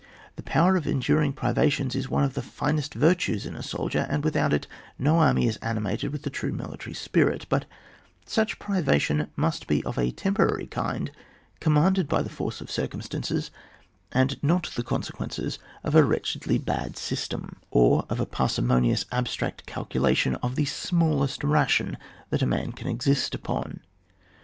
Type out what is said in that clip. The power of enduring privations is one of the finest virtues in a soldier, and without it no army is animated with the true military spirit ; but such privation must be of a temporary kind, commanded by the force of circumstances, and not the consequence of a wretchedly bad system, or of a parsimonious abstract calculation of the smallest ration that a man can exist upon.